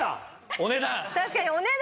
お値段。